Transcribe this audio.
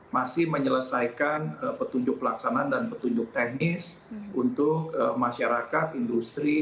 masih menyelesaikan petunjuk pelaksanaan dan petunjuk teknis untuk masyarakat industri